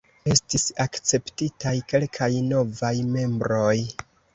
Estis akceptitaj kelkaj novaj membroj.